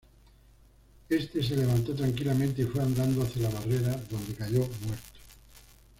Éste se levantó tranquilamente y fue andando hacia la barrera, donde cayó muerto.